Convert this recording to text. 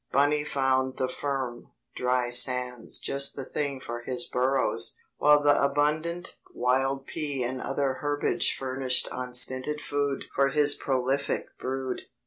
Bunny found the firm, dry sands just the thing for his burrows, while the abundant wild pea and other herbage furnished unstinted food for his prolific brood.